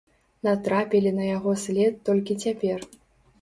Натрапілі на яго след толькі цяпер.